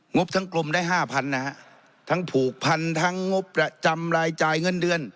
บทั้งกลมได้ห้าพันนะฮะทั้งผูกพันทั้งงบประจำรายจ่ายเงินเดือน